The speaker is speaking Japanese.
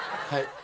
はい？